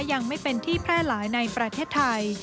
ยังไม่เป็นที่แพร่หลายในประเทศไทย